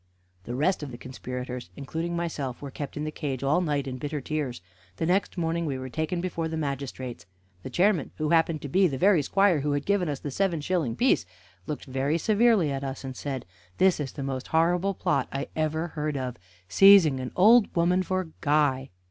The rest of the conspirators, including myself, were kept in the cage all night in bitter tears. The next morning we were taken before the magistrates. The chairman, who happened to be the very squire who had given us the seven shilling piece, looked very severely at us, and said: "This is the most horrible plot I ever heard of seizing an old woman for a guy!